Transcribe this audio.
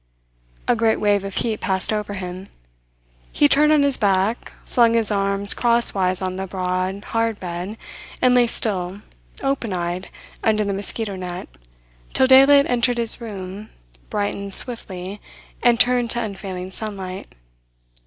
A great wave of heat passed over him. He turned on his back, flung his arms crosswise on the broad, hard bed, and lay still, open eyed under the mosquito net, till daylight entered his room, brightened swiftly, and turned to unfailing sunlight.